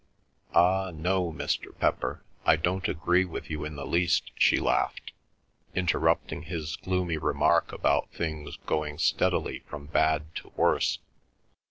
Ah, no, Mr. Pepper, I don't agree with you in the least," she laughed, interrupting his gloomy remark about things going steadily from bad to worse.